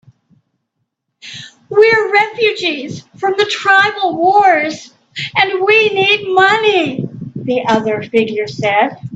"We're refugees from the tribal wars, and we need money," the other figure said.